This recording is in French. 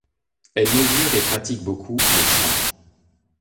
Elle mesure et pratique beaucoup le chant.